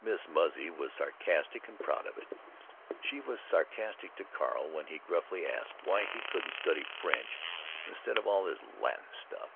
Miss Muzzy was sarcastic, and proud of it. She was sarcastic to Carl when he gruffly asked why he couldn't study French instead of "all this Latin stuff."